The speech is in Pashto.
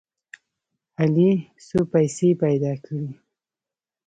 علي څو پیسې پیدا کړې.